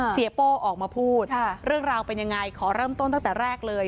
โป้ออกมาพูดเรื่องราวเป็นยังไงขอเริ่มต้นตั้งแต่แรกเลย